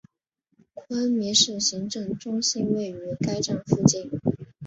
昆明市行政中心位于该站附近。